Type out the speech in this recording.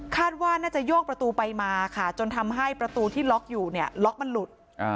ว่าน่าจะโยกประตูไปมาค่ะจนทำให้ประตูที่ล็อกอยู่เนี่ยล็อกมันหลุด